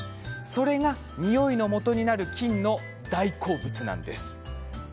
それがニオイのもとになる菌の大好物なんです。